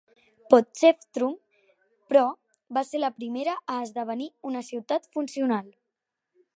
Potchefstroom, però, va ser la primera a esdevenir una ciutat funcional.